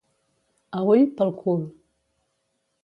A ull, pel cul.